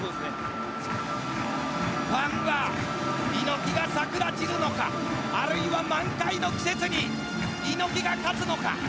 ファンは猪木が桜散るのかあるいは満開の季節に猪木が勝つのか。